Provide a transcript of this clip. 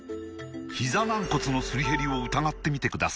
ひざ軟骨のすり減りを疑ってみてください